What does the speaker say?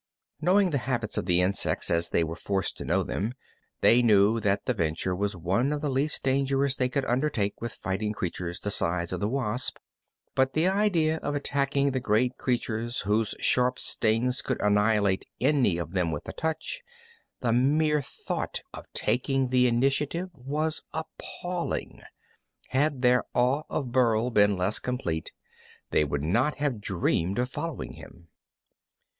Knowing the habits of the insects as they were forced to know them, they knew that the venture was one of the least dangerous they could undertake with fighting creatures the size of the wasp, but the idea of attacking the great creatures whose sharp stings could annihilate any of them with a touch, the mere thought of taking the initiative was appalling. Had their awe of Burl been less complete they would not have dreamed of following him.